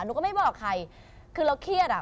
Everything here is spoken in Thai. หนูก็ไม่บอกใครคือเราเครียดอ่ะ